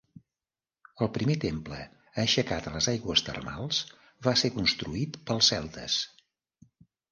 El primer temple aixecat a les aigües termals va ser construït pels celtes.